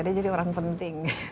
dia jadi orang penting